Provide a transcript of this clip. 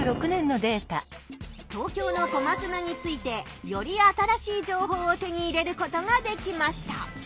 東京の小松菜についてより新しい情報を手に入れることができました。